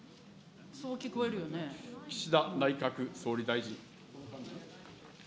岸田内閣総理大臣。